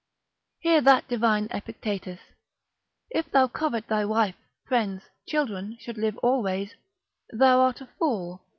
Hear that divine Epictetus, If thou covet thy wife, friends, children should live always, thou art a fool.